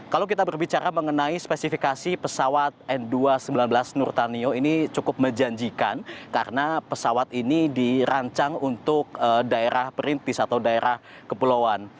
kalau kita berbicara mengenai spesifikasi pesawat n dua ratus sembilan belas nurtanio ini cukup menjanjikan karena pesawat ini dirancang untuk daerah perintis atau daerah kepulauan